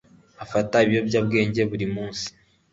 fata ibiyobyabwenge buri munsi